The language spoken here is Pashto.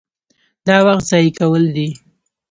دا وخت ضایع کول دي.